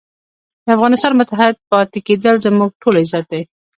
د افغانستان متحد پاتې کېدل زموږ ټولو عزت دی.